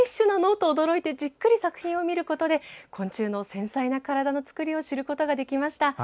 と驚いてじっくり作品を見ることで昆虫の繊細な体の作りを知ることができました。